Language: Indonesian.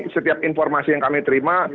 setiap informasi yang kami terima